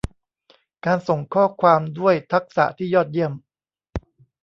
การส่งข้อความด้วยทักษะที่ยอดเยี่ยม